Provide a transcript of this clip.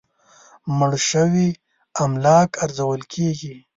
مړ شوي املاک ارزول کېږي.